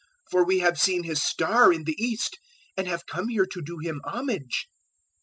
For we have seen his Star in the east, and have come here to do him homage."